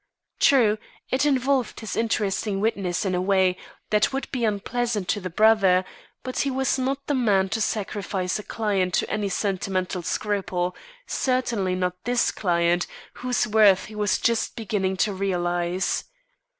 True, it involved this interesting witness in a way that would be unpleasant to the brother; but he was not the man to sacrifice a client to any sentimental scruple certainly not this client, whose worth he was just beginning to realise.